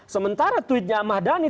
sementara tweetnya ahmad dhani